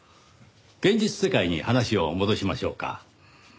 現実世界に話を戻しましょうか。